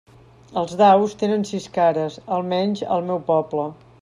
Els daus tenen sis cares, almenys al meu poble.